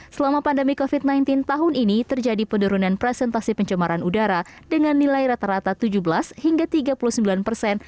selama pandemi covid sembilan belas tahun ini terjadi penurunan presentasi pencemaran udara dengan nilai rata rata tujuh belas hingga tiga puluh sembilan persen